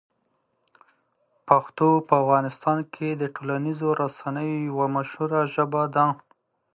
پښتو په افغانستان کې د ټولنیزو رسنیو یوه مشهوره ژبه ده.